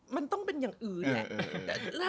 มันต้องเป็นอย่างอื่นแหละ